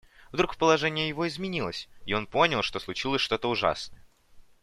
Вдруг положение его изменилось, и он понял, что случилось что-то ужасное.